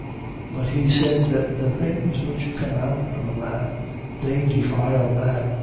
7:20. But he said that the things which come out from a man, they defile a man.